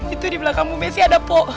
itu di belakangmu mesi ada po